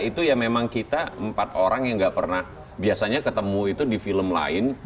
itu ya memang kita empat orang yang gak pernah biasanya ketemu itu di film lain